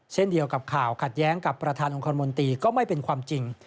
เช่นเดียวกับข่าวขัดแย้งกับประธานองคลมนตรีก็ไม่เป็นความจริง